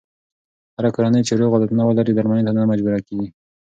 هره کورنۍ چې روغ عادتونه ولري، درملنې ته نه مجبوره کېږي.